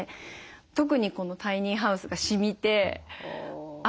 特にこのタイニーハウスがしみてあ